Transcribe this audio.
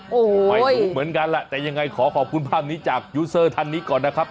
โอ้โหไม่รู้เหมือนกันแหละแต่ยังไงขอขอบคุณภาพนี้จากยูเซอร์ท่านนี้ก่อนนะครับ